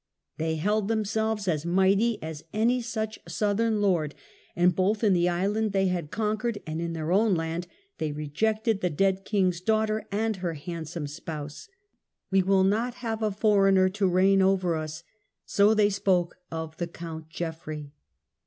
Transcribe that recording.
They held themselves as mighty as any such southern lord, and both in the island they had conquered and in their own land they rejected the dead king's daughter and her handsome spouse. " We will not have a foreigner to reign over us"; so they spoke of the Count Geoffrey.